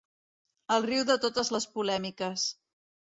El riu de totes les polèmiques.